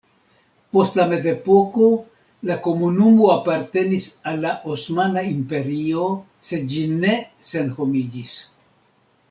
Post la mezepoko la komunumo apartenis al la Osmana Imperio sed ĝi ne senhomiĝis.